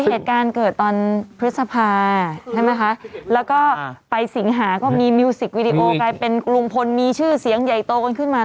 เหตุการณ์เกิดตอนพฤษภาแบบนึงนะฮะ